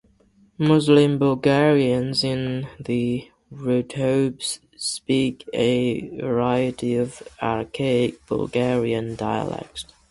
Muslim Bulgarians in the Rhodopes speak a variety of archaic Bulgarian dialects.